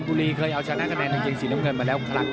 บุรีเคยเอาชนะกินแบบแต่งเกงสีน้ำเงินมาแล้วครับ